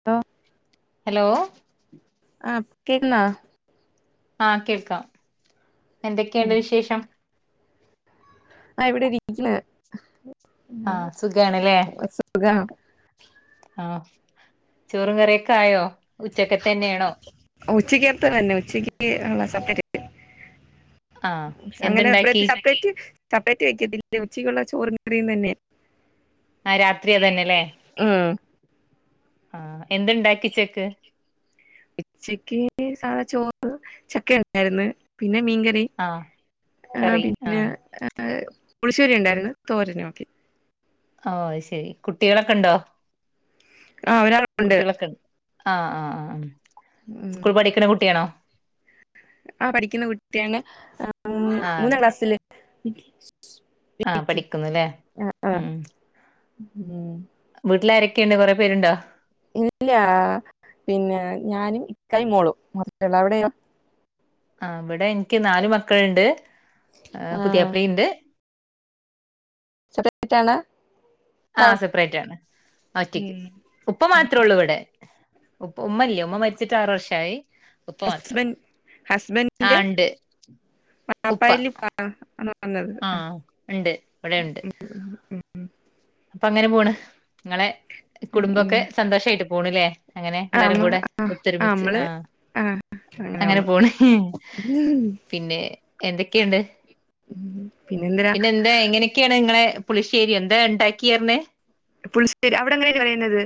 അതോ ഹലോ ആ കേൾക്കുന്നോ ആഹ കേൾക്കാം എന്തൊക്കെയുണ്ട് വിശേഷം? ആ ഇവിടെ ഇരിക്കുന്ന ആഹ് സുഖാണല്ലേ സുഖം ആ ചോറും കറിയൊക്കെ ആയോ ഉച്ചക്കത തന്നെയാണോ ഉച്ചക്ക് തന്നെ ഉച്ചക്ക് ആഹ് [unintelligible] അങ്ങനെ എപ എന്തുണ്ടാക്കി സെപ്പറേറ്റ് സപ്പററ്റ് വയ്ക്കതിന്റെ ഉച്ചയ്ുള്ള ചോർ നിറിയു തന്നെ ആഹ് രാത്രി അതെത്തന്നെയല്ലേ ഉം ആ എന്തേണ്ടാക്കി ഉച്ചക്ക് ഉച്ചക്ക് സാധാ ചോറ് ചക്ക ഉണ്ടായിരുന്നു പിന്നെ മീൻകറി ആഹ് ആ കറി പിന്നെ ആഹ് പുളശ്ശേരി ഉണ്ടായിരുന്നു തോരന നോക്കി ഓ ശരി കുട്ടികളൊക്കെ ഉണ്ടോ ആ ഒരാളെയുണ്ട് കുട്ടികളൊക്കെ ഉണ്ട് ആഹ് ആഹ് ആ ആ സ്കൂൾ പഠിക്കണ കുട്ടിയാണോ ആ പഠിക്കുന്ന കുട്ടിയാണ് ഉം മൂന്നാം ക്ലാസ്സിൽ [inaudible] ആ പഠിക്കുന്നുല്ലേ ആഹ് ഉം ഉം വീട്ടില ആരൊക്കെയുണ്ട് കൊറെേ പേരുണ്ടോ ഇല്ല പിന്നെ ഞാനും ഇക്കൈ മോളും മാത്രള്ളു അവിടെയോ ആ ഇവിടെ എനിക്ക് നാല് മക്കളുണ്ട് ആ ആഹ് പുതിയപ്പളെയിൻഡ് [unintelligible] ആ സെപ്പറേറ്റ് ആണ് ഒറ്റക്ക് ഉം ഉപ്പ മാത്രേ ഉള്ളൂ ഇവിടെ ഉ ഉമ്മല്ല ഉമ്മ മരിച്ചിട്ട് ആറു വർഷമായി ഹസ്ബൻ ഹസ്ബൻറിന്റെ ആഹ് ഉണ്ട് വാപ്പ [unintelligible] ആ ഉണ്ട് ഇവിടെ ഉണ്ട് അപ്പൊ അങ്ങനെ പോണ് നിങ്ങളെ കുടുംബൊക്കെ സന്തോഷമായിട്ട് പോണിലെ അങ്ങനെ ആ എല്ലാരും കൂടെ ഒത്തൊരുമിച്ച് നമ്മള് ആ ആഹ് അങ്ങനെ വന്നു പോണ് പിന്നെ എന്തൊക്കെയുണ്ട് പിന്നെന്തിനാ പിന്നെ എന്താ എങ്ങനെയൊക്കെയാണ് ങ്ങളെ പുളിശ്ശേരി എന്തേണ്ടാ ക്യാർഞ്ഞേ പുളിശ്ശേരി അവിടെ എങ്ങനെയാണ് റയുന്നത്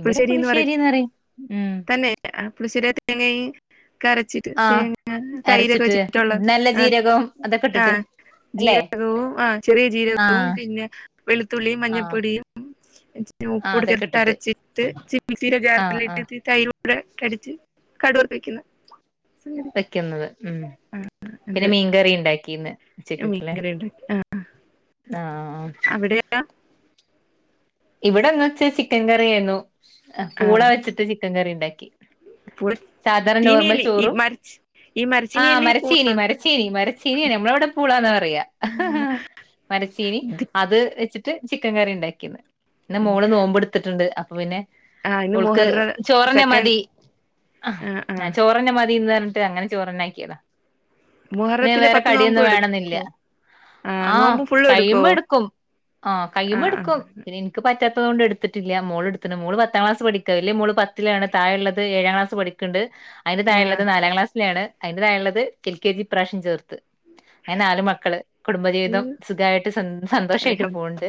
ഇവിടെ പുളിശ്ശേരി ന്ന്‌ പറയും ഉം പുളിശ്ശേരിയായിട്ടു തേങ്ങ രച്ചിട്ട് ആഹ് തേങ്ങ തൈരൊക്കെ അരച്ചിട്ട് വെച്ചിട്ടുള്ളത് നല്ല ആ ജീരകം അതൊക്കെ ആ ഇട്ടിട്ട് അല്ലെ ജീരകവും ആ ചെറിയ ജീരകവും ആഹ് പിന്നെ വെളുത്തുള്ളിയും ആഹ് മഞ്ഞൾപ്പൊടിയും ഉപ്പും ആഹ് കൂടി അതൊക്കെ ഇട്ടിട്ട് ചേർത്തരച്ച് മിക്സീടെ ആഹ് ആഹ് ജാറിലേക്കിട്ടിട്ട് [unintelligible] ച്ച്ച് കടുവർത്ത് വെക്കുന്ന സംഗതി വെക്കുന്നത് ഉം ആ, അത് പിന്നെ മീൻകറി ണ്ടാക്കീന്ന് മീൻകറി ഉണ്ടാക്കി ആ ആ ആ അവിടെയാ ഇവിടെന്ന് വെച്ചെ ചിക്കൻ കറിയായിരുന്നു ആ, പൂള വെച്ചിട്ട് ചിക്കൻ കറിണ്ടാക്കി പുളി- സാധാരണ നോർമൽ ചീനിയല്ലി ഈ ചോറും മരച്ച് ഈ ആ മരച്ചിനിയല്ലി പൂ മരച്ചീനി മരച്ചീനി മരച്ചീനിയാണ് നമ്മളവിടെ പൂളാന്ന പറയാ മരച്ചീനി ഇത്, അത് വെച്ചിട്ട് ചിക്കൻ കറിണ്ടാക്കിയത് പിന്നെ ഉം. മോള് നോമ്പ് എട്ത്തിട്ട്ണ്ട് പിന്നെ ആ ഇന്ന് ഓൾക്ക് മുഹറ ചോറന്നെ സെക്കൻഡ് മതി അ. ആ ആ ചോറന്നെ മതി ഇന്ന്റ് അങ്ങനെ ചോറ്ണ്ടാക്കിയത അ മുഹറത്തിലെ വേറെ പത്ത് നോമ്പ് കടിയൊന്നും വേണന്നില്ല എടുക്കോ ആ നോമ്പ് ഫുള്ള് എടുക്കോ കയ്യ്മ്പട്ക്കും ആ ആ ആ കയ്യ്മ്പട്ക്കും ൻക്ക് പറ്റാത്തതോണ്ട് എട്ത്ത്ട്ടില്ല മോള് എടുത്ത്ണ് മോള് പത്തം ക്ലാസ് പഠിക്കാ വല്യ മോള് പത്തിലാണ് തായെള്ളത് ഏഴാക്ലാസ് പഠിക്ക്ണ്ട് അയ്ന് ആ താഴെള്ളത് നാലാം ക്ലാസ്സിലാണ് അയ്ന്റെതായെള്ളത് എൽകെജി ഇപ്രാവശ്യം ചേർത്ത് അങ്ങനെ നാല് മക്കള് കുടുംബജീവിതം ഉം. സുഖായിട്ട് സ സന്തോഷായിട്ട് അല്ല പോണ്ട്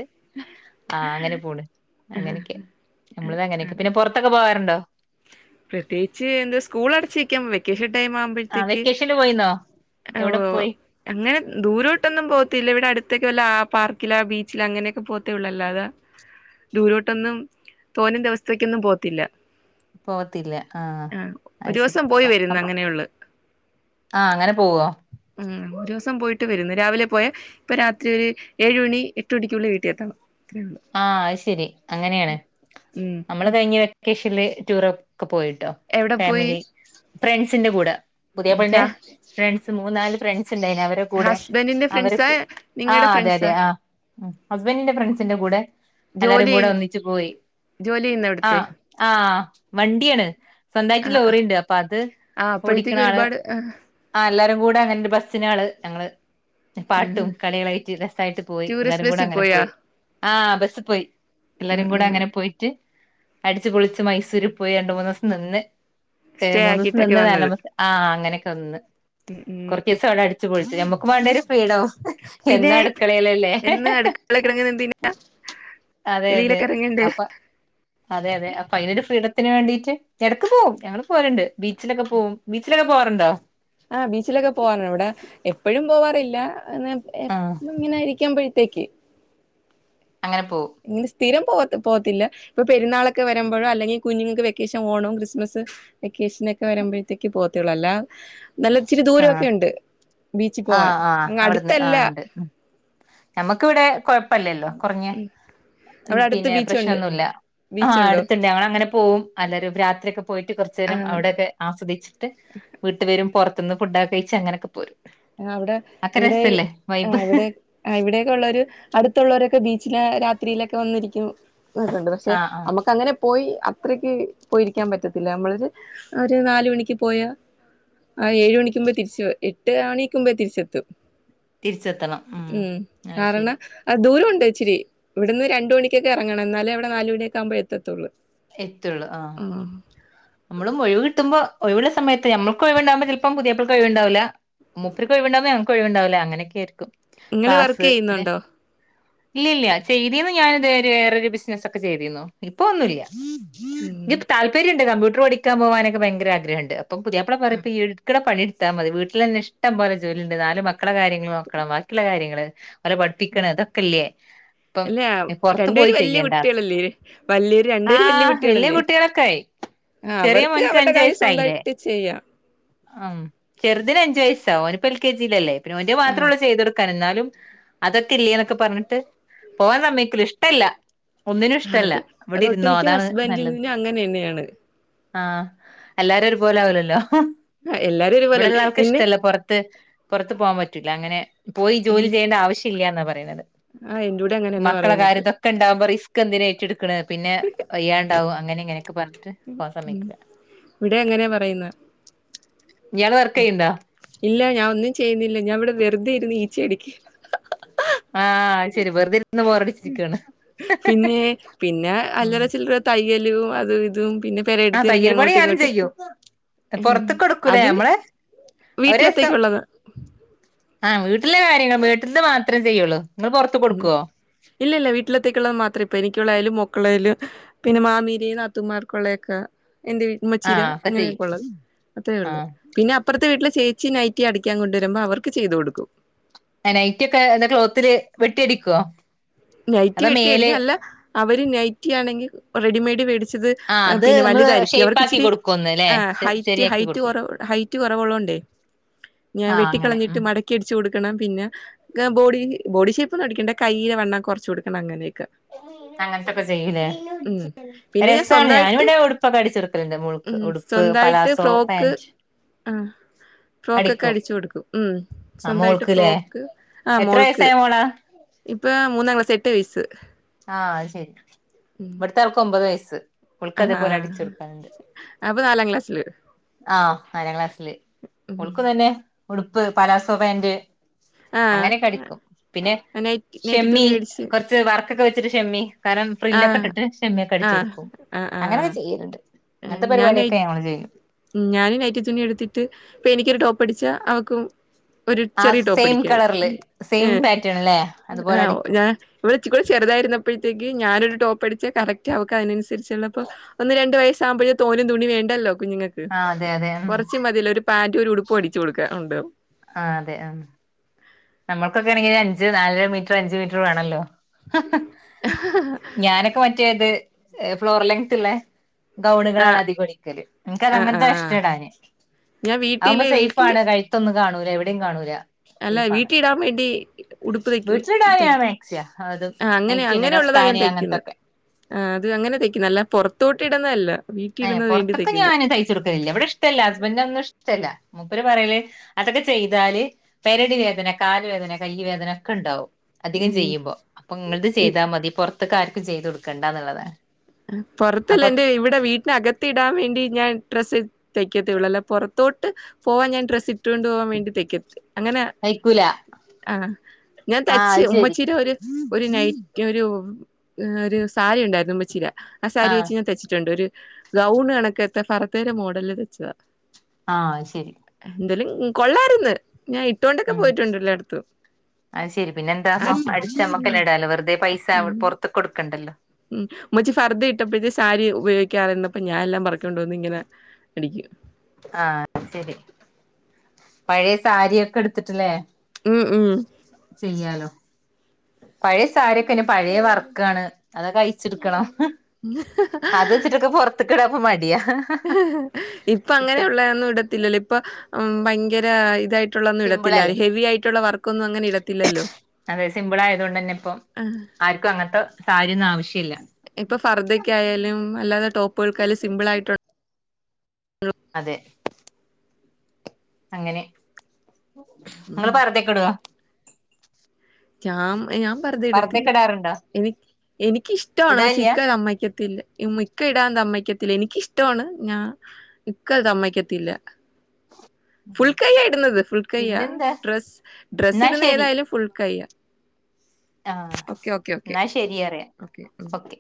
ആ അങ്ങനെ പോണ് അങ്ങനൊക്ക നമ്മൾതങ്ങനൊക്കെ പിന്നെ പൊറത്തൊ പോകാറുണ്ടോ പ്രത്യേകിച്ച് എന്താ സ്കൂൾ അടച്ചിക്കാം വെക്കേഷൻ ആഹ് ടൈമാവുമ്പഴത്തേക്ക് വെക്കേഷനില് പോയിന്നോ ഓ എവിടെ പോയി അങ്ങനെ ദൂരോട്ടൊന്നും പോവത്തില്ല ഇവിടെ അടു ത്തക്ക വല്ല ആ പാർക്കിൽ ആ ബീച്ചിലാ അങ്ങനെയൊക്കെ പോവത്തേ ഒള്ളൂ അാല്ലാതെ ദൂരോട്ടൊന്നും തോനേം ദിവസത്തേക്കൊന്നും പോവത്തില്ല പോവത്തില്ല ആഹ അ ശരി ദിവസം പോയി വരുന്നു ആഹ അങ്ങനെയുള്ളു അങ്ങനെ പോവോ ഉം ദിവസം പോയിട്ട് വരുന്നു രാവിലെ പോയാ ഇപ്പൊ രാത്രി ഒരു ഏഴ മണി എട്ട് മണിക്കുള്ളിൽ വീട്ടിലെത്തണം ആഹ അത് ശരി അങ്ങനെയാണ് ഉം നമ്മള് കഴിഞ്ഞ വെക്ക ൂറോപ്പ് ഒക്കെ പോയിട്ടോ എവിടെ പോയി ഫാമിലി ഫ്രണ്ട്സിന്റെ കൂടെ പുതിയപ്പോളിന്റെ ഫ ഫ്രണ്ട് മൂന്നാല് ഫ്രണ്ട് അവരുടെ കൂടെ ഹസ്ബൻഡിന്റെ അവ ഫ്രണ്ട്സാ ആ നിങ്ങളുടെ അതെ അതെ ഫ്രണ്ട്സാ ആ ഹസ്ബൻഡിന്റെ ഫ്രസിന്റെ കൂടെ എല്ലാരും ജോലി കൂടെ ചെയ് ഒന്നിച്ചച്ച് പോയി ജോലി ചെയ്യുന്ന അവിടുത്തെ ആഹ ആ വണ്ടിയാണ് സ്വന്തമായിട്ട് ആഹ് ലോറി ആഹ് ഉണ്ട് അപ്പൊ അത് ആഹ് ഓടിക്കണ അപ്പോഴത്തേക്ക് ആള് ഒരുപാട് ആ എല്ലാരും കൂടെ അങ്ങനെ ബസ്സിന ആള് ഞങ്ങള് പാട്ടും ആഹ് കളികളായിട്ട് രസായിട്ട് പോയി എല്ലാരും ടൂറിസ്റ്റ് കൂടെ ബസ്സിൽ അങ്ങനെ പോയാ പോയി ആഹ ബസ്ൽ പോയി ഉം എല്ലാരും കൂടെ ഉം അങ്ങനെ പോയിട്ട് അടിച്ച്ു പൊളിിച്ചച്ച് മൈസൂരിൽ പോയി രണ്ട മൂന്ന്ു ദിവസം നിന്ന് സ്റ്റേ മൂന്ന് ദിവസം ആക്കിയിട്ടൊക്കെ നിന്ന് വന്നത് നല്ല ആ് അങ്ങനെയൊക്കെ ഒന്ന് ഉം ഉം കൊറ ദിവസം അവിടെ അടിച്ചു പോയിട്ട് മ്മക്ക് വണ്ടേരി ഫീടവും പിന്നെ എന്നാ അടുക്കളയിലല്ലേ എന്ന് അടുക്കള കിടങ്ങുന്ന എന്തിന് അതെ അതെ വെളിയിലൊക്കെ ഇറങ്ങണ്ടേ അപ്പൊ അതെ അതെ അപ്പൊ അൊ ഒരു ഫ്രീഡ ത്തിന് വേണ്ടീട്ട് ഇടക്ക് പോവും ഞങ്ങൾ പോരുണ്ട് ബീച്ചിലൊക്കെ പോകവും ബീച്ചിലൊക്കെ പോറുണ്ടോ ആ് ബീച്ചിലൊക്കെ പോവാറാണ് ഇവിടെ എപ്പഴും പോവാറില്ല അങ്ങെ എ ആ ഇങ്ങനൊയിരിക്കൻ ത്തേക്ക് അങ്ങനെ പോ സ്ഥിരം പോ പോവത്തില്ല ഇപ്പൊ പെരുന്നാളൊക്കെ വരുമ്പോഴോ അല്ലെങ്കിൽ കുഞ്ഞുങ്ങൾക്ക് വെക്കേഷൻ ഓണവും ക്രിസ്മസ് വെക്കേഷനൊക്കെ വരുമ്പഴത്തേക്ക് പോവത്തേയുള്ളു അല്ലാ നല്ല ഇച്ചിരി ആ ദൂരമൊക്കെയുണ്ട് ബീച്ചിൽ ആ പോവാൻ ആ ങ്ങ് അവിടുന്ന് ആ അടുത്തല്ല കൊഴ പ്പല്ലല്ലോ കുറഞ്ഞ അവിടെ അടുത്ത് പിന്നെ ബീച്ചുണ്ട് പ്രശ്നംന്നുല്ല ആ ബീച്ചുണ്ടോ അടുത്തണ്ട് ഞങ്ങളങ്ങനെ പോവും അല്ലരും രാത്രിയൊക്കെ പോയിട്ട് കുറച്ചു നേരം ആഹ് അവിടെയൊക്കെ ആസ്വദിച്ചിട്ട് വീട്ട് വരും റത്ത്ന്ന് ഫുഡ്‌ ഒക്കെ കഴിച്ചങ്ങനെ പോരും ആ അവ്ടെ അക്കെ ഇവിടെ ഈ രസല്ലേ ആ വൈബ് ഇവിടെ ആ ഇവിടെ ഒക്കെ ഉള്ളോര് അടുത്തുള്ളൊരൊക്കെ ബീ ച്ചിലാ രാത്രിയിലൊക്കെ വന്നിരിക്കും നിന്നിട്ടുണ്ട് പക്ഷെ ആഹ് ആഹ് നമ്മക്ക് അങ്ങനെ പോയി ത്രിക്ക് പോയിരിക്കാൻ പറ്റത്തില്ല നമ്മളൊര് ഒര് നാലുമണിക്ക് പോയാ ആ ഏഴ് മണിക്ക് മുമ്പേ തിരിച്ച് വെ എ ട്ട് അണിക്ക് മുമ്പേ തിരിച്ചെത്തും ഉം അത് ശരി കാരണം അയ് ദൂരം ഉ ണ്ട് ഇച്ചിരി ഇവ്ട്ന്ന് രണ്ട് മണിക്കൊക്കെ എറങ്ങണം എന്നാലെ അവിടെ നാല് മണിയൊക്കെ ആവുമ്പഴേ എത്തത്തൊള്ളൂ എത്തൊള്ളൂ ആ നമ്മളും ഒഴിവ് കിട്ടു മ്പോ ഒഴിവ്ള്ള സമയത്ത് ഞമ്മൾക്ക് ഒഴിവ്ണ്ടാവുമ്പൊ ചെൽപ്പം പുതിയാപ്പൾക്ക് ഒഴിവ്ണ്ടാവുലാ മൂപ്പർക്ക് ഒഴിവ്ണ്ടാവുമ്പോ ഞങ്ങക്ക് ഒഴിവ്ണ്ടാവുലാ അങ്ങനെയൊക്കെയാര്ക്കും ഇങ്ങൾ വർക്ക് ചെയ്യ്ന്നുണ്ടോ ഇല്ല ഇല്ല ചെയ്തിന്നു ഞാനിത് ഒര് വേറൊരു ബിസിനസ് ഒക്കെ ചെയ്തിന്നു ഇപ്പൊ ഒന്നും ഇല്ല ഉം ഇഞ്ഞ് താല്പര്യം ഇണ്ട് കമ്പ്യൂ റോടിക്കാൻ പോകാനൊക്കെ ഭയങ്കര ആഗ്രഹം ഇണ്ട് അപ്പം പുതിയാപ്പ്ള പറിം ആഹ് ഇപ്പം ഇയ്യ്ട്ക്ക്ണ പണിട് ത്താ മതി വീട്ടിലെന്നെ ഇഷ്ടം പോലെ ജോലിണ്ട് നാല് മക്കളെ കാര്യങ്ങൾ നോക്കണം ബാക്കി ഇള്ള കാര്യങ്ങൾ ഓലെ പഠിപ്പിക്ക്ണെ ഇതൊക്കെ ഇല്ലേ അല്ല രണ്ട് പേര് വല്യ കുട്ടെൾ അല്ലെ വല്ല്യേര് രണ്ട് പേര് വല്യ ആഹ് കുട്ടെൾ അല്ലേ കുട്ടികളൊക്കെ ആയി ആ ചെറിയ അവർക്ക് അവർടെ കാര്യം സ്വന്തായിട്ട് ചെയ്യാം ആ ചെർതിന് അഞ്ച് വെയ്സാ ഓനിപ്പം എൽ കെ ജിൽ അല്ലെ പിന്നെ ഓന്റെ ആ മാത്രൊള്ളു ചെയ്തൊട് ക്കണം ഇന്നാലും അതൊക്കെ ഇല്ലേ എന്നൊക്കെ പർൺട്ട് പോവാൻ സമ്മയ്ക്കൂല ഇഷ്ടല്ല ഒന്നിനും ഇഷ്ടല്ല അത് ഇവിടെ അത് ഇരുന്നോ ഒട്ടുമിക്ക അതാണ് ഹസ്ബെൻന്റിന്നും അങ്ങനെ യെന്നെയാണ് ആ എല്ലാരും ഒര് പോലെ ആവുലല്ലോ ഹും ആ, എല്ലാരും ഒരുപോലെയല്ല ഇവടെള്ള ആൾക്ക് എന്നെ ഇഷ്ടല്ല പൊർത്ത് പൊർത്ത് പോവാൻ പറ്റു റ്റുലാ അങ്ങനെ പോയി ജോലി എൻ- ചെയ്യെണ്ട ആവശ്യ ഇല്ല്യാന്നാ പറിണത് ആ എന്റെ കൂടെ അങ്ങനെ തന്നെ മക്കളെ പറയുന്നത് കാര്യം ഇതൊക്കെ ഇണ്ടാവുമ്പം റിസ് ക്ക് എന്തിനാ ഏറ്റ്ട് ക്ക്ണെ പിന്നെ വയ്യാണ്ടാവും അങ്ങനെ ഇങ്ങനെയൊക്കെ പർൺട്ട് ഉം ഇവ്ടെം അങ്ങനെ പറയ്ന്നെ ഇയാള് വർക്ക് ചെയ്യ്ണ്ടോ ഇല്ല ഞാ ഒന്നും ചെയ്യ്ന്നില്ല ഞാ ഇവടെ വെറുതെ ഇരുന്നു ഈച്ചടിക്ക് ആ അയ് ശരി വെറുതെ ഇരുന്ന പോറടിച്ചിരിക്കാണ് പിന്നെ ഉ ക്കലും അത് ഇതും പിന്നെ ആ പെരയെടുത്ത് ഇറങ്ങി തയ്യൽ പണി അങ്ങോട്ടും ഞാനും ഇങ്ങോട്ടും ചെയ്യും പുറത്ത ഉം. കൊടുക്കൂലേ അത് നമ്മള് ഒരു രസം വീട്ടിലത്തേക്കുള്ളതാ ആ വീട്ടിലൊര് നിങ്ങൾ വീട്ടിൽന്ന് മാത്രേ ചെയ്യുള്ളൂ നിങ്ങള് പൊറത്ത് ഉം കൊടുക്കുവോ ഇല്ല ഇല്ല വീട്ടിലെത്തക്കുള്ള മാത്രമ ഇപ്പ എനിക്കുള്ള ആയാലും മോക്ക് മക്കളും പിന്നെ മാമീരി നാത്തുമമാർക്കുള്ളൊക്കെ എറെീ ഉമ്മച്ചിര ആഹ് ഒക്കെ ചെയ്യും ഇങ്ങനെയൊക്കെ ഉള്ളത് അത്രേ ഉള്ളത് ആഹ് പിന്നെ അപ്പുറത്തെ വീട്ടില ചേച്ചി നൈറ്റി അടക്കാൻ കൊണ്ട വരുമ്പോ അവർക്ക് ചെയ്തു കൊടുക്കും നൈറ്റ് ഒക്കെ എന്താ ക്ലോത്തില്ൽ വെട്ടിയട അടിക്കു നൈറ്റ് വെട്ടി മേടിക്ക അല്ല അവര് നൈറ്റി ആണെങ്കിൽ റെഡിമെയ്ഡ് മേടിച്ചത് ആഹ് അത് പിന്നെ നമ്മള് വലുതായിരിക്കും അവർക്ക് ഷേപ്പാക്കി ഇച്ചിരി് കൊടുക്കുംന്ന് ല്ലേ ഹറ്റ് ശരിയാക്കി ഹൈറ്റ്റ കൊടുക്കും ഹൈറ്റ് കൊറവള്ളണ്ടേ ഞാൻ ആഹ് അങ്ങനെ വെട്ടിക്കളഞ്ഞിട്ട് ഉം മടക്കി അടിിച്ചു കൊടുക്ക ണം പിന്നെ ബോഡി ബോഡി ഷേപ്പ് ഒുംടിക്കണ്ട കയ്യിലൽ വണ്ണം കുറച്ച് കൊടുക്ക അങ്ങനെ അങ്ങനത്തൊക്കെ ചെയ്യൂലേ ഉം പിന്നെ ഞാൻ രസമാണ് ഞാന സ്വന്തായിട്ട് ഇവിടെ ഉടുപ്പൊക്കെ അടിച്ചുടുക്കലുണ്ട് മോൾക്ക് ഉം ഉടുപ്പ് സ്വന്തായിട്ട് പലാസോ ഫ്രോക്ക് പാൻച് ആ ഫ്രോക്ക് ഒക്കെ അടിച്ചു കൊടുക്കും ഉം ആ സ്വന്തമായിട്ട് മോൾക്ക്ല്ലേ ഫ്രോക്ക് ആ എത്ര മോൾക്ക് വയസ്സായ മോളാ ഇപ്പൊ മൂന്നാം ക്ലാസ്സ് എട്ടു വയസ് ആഹ ശരി ഇവിടുത്തെ ആർക്ക് ഒമ്പത് വയ സ്സ് ഓൾക്ക് ആ അതേപോലെ അടിച്ചുടുക്കാനുണ്ട് അപ്പൊ നാലാം ക്ലാസ്സില് ആഹ നാലാം ക്ലാസ്ല്ല് ഉം ഓളുക്കും തന്നെ ഉടുപ്പ് പലാസ പാന്റ് ആ അങ്ങനെ അടിക്കും പിന്നെ നൈറ്റി നൈറ്റി തുണി ഷെമ്മി മേടിച്ച് കുറച്ച് വർ ഷമ്മി ഞാന് ആ ഫ്രില്ലൊക്കെട്ടിട്ട് ആ ഷിമ്മിയൊക്കെടിച്ച് കൊടുക്കും. ആ ആ അങ്ങനെയൊക്കെ ചെയ്യലുണ്ട്. ങ്ങനത്തെ ഞാൻ നൈ പരിപാടിയക്കെ ഞങ്ങള് ചെയും. ഉം ഞാനും നൈറ്റിത്തുണിയെടുത്തിട്ട് ഇപ്പെനിക്കൊരു ടോപ്പടിച്ചാ അവക്കും ഒരു ആ ചെറിയ ടോപ്പ് സെയിം അടിക്കാൻ കളറില് ഏ സെയിം പാറ്റേൺ അല്ലേ ആ അതുപോലെ അടിക്കും ഞാൻ വിടെ ച്ചിരക്കൂടെ ചെറുതായിരുന്നപ്പഴത്തേക്ക് ഞാനൊരു ടോപ്പടിച്ചാ കറക്റ്റ് അവക്കയിനനുസരി രിചെലപ്പോ ഒന്ന് രണ്ട് വയസ് സാമ്പഴ് തോനും തുണി വേണ്ടല്ലോ കുഞ്ഞു ആ അതെ അതെ ഉം കൊറച്ച് മതീല്ലോരു പാന്റും ഒരു ഉടുപ്പും അടിച്ചു കൊടുക്ക ഒണ്ട് ആ അതെ ആ നമ്മൾക്കൊക്കെയാണെങ്കി അഞ്ച് നാലര മീറ്റർ അഞ്ചു മീറ്റർ വേണല്ലോ ഞാനൊക്കെ മറ്റേയത് ഏ ഫ്ലോർ ലെങ്ത്ത്ല്ലേ ഗൗണുകളാണ് ആഹ് അധികടിക്കല്ലേ എനിക്കത് ആഹ് അങ്ങനത്തെ ആഹ് ഇഷ്ട ആഹ് ഇടാന് ഞാൻ അതാകുമ്പോ വീട്ടില് വീട്ടില് സേഫാണ് കഴുത്തൊന്ന് കാണൂല്ല എവിടേം കാണൂലാ അല്ല വീട്ടി ഇടാമ്മേ വണ്ടി ഉടുപ്പ് തയ്ക്കുന്നു വീട്ടിലിടാനാ മാക്സിയാ അത് ആ അങ്ങനെ നൈറ്റിന്നെ അങ്ങനൊള്ളതാ ഞാൻ കസ്താനി തയ്ക്കുന്നത്. അങ്ങനത്തൊക്കെ ആ അത് അങ്ങനെ തയ്ക്കുന്നു അല്ലാ പൊറത്തോട്ടിടുന്നതല് എ പൊറത്തൊക്കെ ഞാന് തയ്ച്ച കൊടുക്കലില്ല ഇവിടെ ഇഷ്ടല് ഹസ്ബൻഡിനതൊന്നും ഇഷ്ടല്ല മൂപ്പര് പറയല് അതൊക്കെ ചെയ്താല് പെരടി വേദന കാല് വേദന കൈ വേദന ഒക്കെ ഉണ്ടാവും അധികം ഉം ചെയ്യുമ്പോഅപ്പൊ നിങ്ങൾത് ഈ ചെയ്താൽ മതി പൊറ ഇന്നത്തേക്കാലത്ത് ചെയ്തു കൊടുക്കണ്ടാന്നുള്ളതാണ്. പൊറത്തല്ല അപ്പൊ എന്റെ ഇവിടെ വീട്ട നകത്തിടാൻ വേണ്ടി ഞാൻ ഡ്രസ്സ് തയ്ക്കത്തേയൊള്ളല്ലാ പൊറ ത്തോട്ട് പോവാൻഞാൻ ഡ്രസ് ഇട്ടുകൊണ്ട് പോകാൻ വേണ്ടി തയ്ക്ക അങ്ങനെ തയ്ക്കൂല ആ ഞാൻ ആഹ് തച്ച അത് ശരി ഉമ്മച്ചീടെ ഒരു ഒരു നൈറ്റ് ഒരു ഒരു സാരിയണ്ടായിരുന്നുമ്മച്ചീടെ ആ സാരി ആഹ് വെച്ച് ഞാൻ തച്ചിട്ടുണ്ടൊരു ഗൗണ് കണക്കത്തേ ഫർദേടെ മോഡലില് തച്ചതാ ആ ശരി ഉം കൊള്ളാരുന്ന് ഞാൻ ഇട്ടോണ്ടൊക്കെ ഉം പോയിട്ടുണ്ട് എല്ലായിടത്തും അത് ശരി പിന്നെ എന്താ അത് ഉം അടിച്ചമ്മക്കല്ലടാലോ വെറുതെ പൈസ സ പുറത്ത കൊടുക്കണ്ടണ്ട് അല്ല ഉമച്ചി ഫർദ്ദ ഇട്ടപ്പോഴത്തെ സാരി ഉപയോഗിക്കാതിരുന്നപ്പ ഞാൻ എല്ലാം പറക്കണ്ടോന്ന ഇങ്ങനെ അടിക്കും ആ ശരി പഴയ സാരിയൊക്കെ എടുത്തിട്ടില്ലേ ഉം ഉം ചെയ്യാലോ പഴയ സാരിയൊക്കെന്നെ പഴയ വർക്കാണ് അതൊക്കെ അയച്ചെടുക്കണം അത് വെച്ചിട്ടൊക്കെ പുറത്തകിട മടിയ ഇപ്പ അങ്ങനെയള്ളൊന്നും ഇടത്തില്ലല്ലോ ഇപ്പൊ ഭ വ ഇതായിട്ട് ും സിമ്പിൾ ഇടത്തില്ല അല്ലേ ഹെവി ആയിട്ടുള്ള വർക്ക് ന്നും അങ്ങനെ ഇടത്തില്ലോ അതെ സിമ്പിൾ ആയത് കൊണ്ട് തന്നെ ഇപ്പം ആർക്കും അങ്ങനത്തെ സ ആവശ്യമില്ല ഇപ്പൊ ഫർദക്കായാലും അല്ലാതെ ടോപ്പ്ുകൾക്കായാലും സിംമ്പിൾ ആയിട്ടു അതെ അങ്ങനെ ഉം നിങ്ങള് ഫർദ്ദയൊക്കെടുവൊ [unintelligible] ഞാൻ ഫർദ്ദ ഇടത്തില്ല പർദ്ദയൊക്കെ ഇടാറുണ്ടോ എനി എനിക്ക് ഇഷ്ടമാണ് പക്ഷ ഇടാനില്ല ഇക്ക സമ്മതിക്കത്തില്ല മിക്ക ഇടാൻ തമ്മയ്ക്കത്തില്ല എനിക്കിഷ്ടമാണ് ഞാൻ ഇക്ക സമ്മതിക്കത്തില്ല ഫുൾ കയ്യ ഇടുന്നത് ഫുൾ കയ്യ പിന്നെന്താ ഡ്രസ്സ് ഡ്രസ്സ് ഇടുന്ന ഏതായാലും ഫുൾ കയ്യ ആഹ ഓക്കെ എന്നാ ശരി അറിയ ഓക്കെ ഉം ഓക്കെ